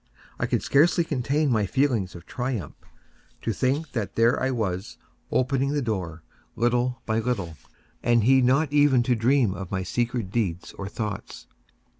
I could scarcely contain my feelings of triumph. To think that there I was, opening the door, little by little, and he not even to dream of my secret deeds or thoughts.